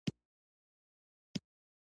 ښایست د وفا ژبه ده